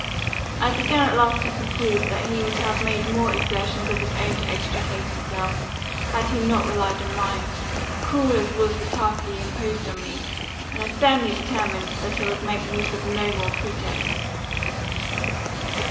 I began at last to conclude, that he would have made more exertions of his own to extricate himself, had he not relied on mine, cruel as was the task he imposed on me; and I firmly determined that I would make use of no more pretexts.